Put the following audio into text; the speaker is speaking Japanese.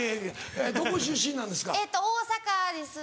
どこ出身なんですか？